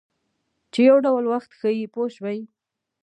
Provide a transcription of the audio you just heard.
چې یو ډول وخت ښیي پوه شوې!.